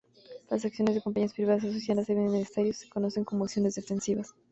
Las acciones de compañías privadas asociadas a bienes necesarios se conocen como acciones defensivas.